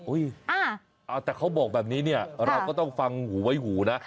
อุ๊ยแต่เขาบอกแบบนี้เราก็ต้องฟังหูไว้หูนะ